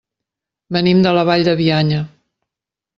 Venim de la Vall de Bianya.